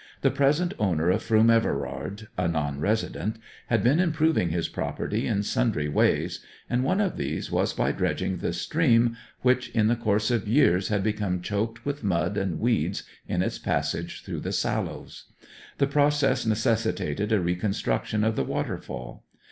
The present owner of Froom Everard a non resident had been improving his property in sundry ways, and one of these was by dredging the stream which, in the course of years, had become choked with mud and weeds in its passage through the Sallows. The process necessitated a reconstruction of the waterfall.